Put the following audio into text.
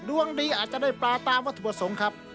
ดวงดีอาจจะได้ปลาตามวัตถุประสงค์ครับ